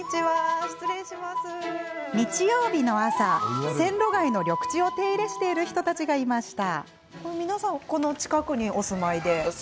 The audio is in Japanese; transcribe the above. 日曜日の朝、線路街の緑地を手入れしている人たちがいました。